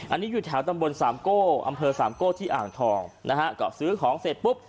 อันนี้อยู่แถวตำบลสามโก้อำเภอสามโก้ที่อ่างทองนะฮะก็ซื้อของเสร็จปุ๊บ